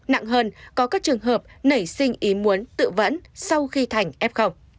nặng hơn có các trường hợp nảy sinh ý muốn tự vẫn sau khi thành f